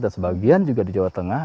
dan sebagian juga di jawa tengah